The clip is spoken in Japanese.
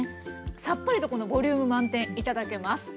さっぱりとこのボリューム満点頂けます。